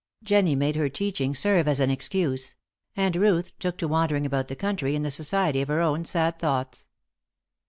Jennie made her teaching serve as an excuse; and Ruth took to wandering about the country in the society of her own sad thoughts.